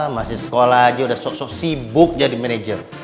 masih sekolah aja udah sok sok sibuk jadi manajer